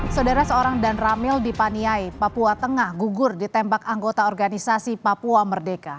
saudara seorang dan ramil di paniai papua tengah gugur ditembak anggota organisasi papua merdeka